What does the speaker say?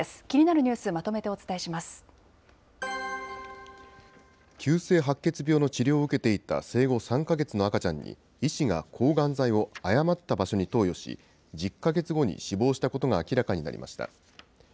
気になるニュース、まとめてお伝急性白血病の治療を受けていた生後３か月の赤ちゃんに、医師が抗がん剤を誤った場所に投与し、１０か月後に死亡したことが明らかになりました。